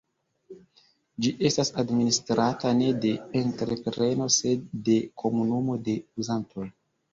Ĝi estas administrata ne de entrepreno sed de komunumo de uzantoj.